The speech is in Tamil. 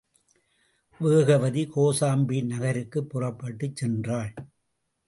வேகவதி கோசாம்பி நகருக்குப் புறப்பட்டுச் சென்றாள்.